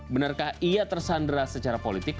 benarkah ia tersandra secara politik